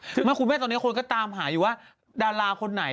ถึงไม่คุณแม่ตอนนี้คนก็ตามหาอยู่ว่าดาราคนไหน